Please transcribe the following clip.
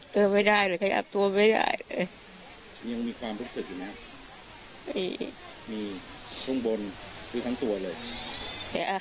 เดินไม่ได้เลยขยับตัวไม่ได้เลยยังมีความรู้สึกอยู่นะ